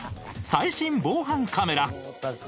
最新防犯カメラ。